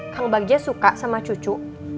kang bagja suka sama cucu